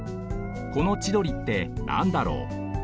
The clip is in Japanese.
この「千鳥」ってなんだろう？